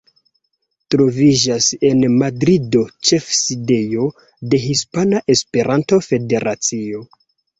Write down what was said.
Troviĝas en Madrido ĉefsidejo de Hispana Esperanto-Federacio.